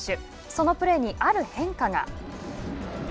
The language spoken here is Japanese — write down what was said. そのプレーにある変化が。